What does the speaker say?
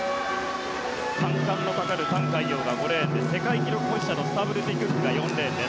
３冠のかかるタン・カイヨウが５レーンで世界記録保持者のスタブルティ・クックが４レーン。